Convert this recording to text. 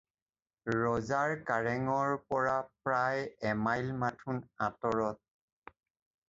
ৰজাৰ কাৰেঙৰ পৰা প্ৰায় এমাইল মাথোন আঁতৰত।